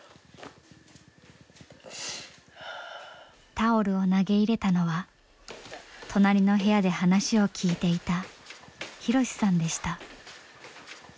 タオルを投げ入れたのは隣の部屋で話を聞いていた博さんでした。